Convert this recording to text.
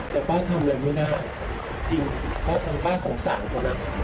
แต่ป้าทำไรไม่ได้จริงเพราะว่าสงสัยคนอ่ะ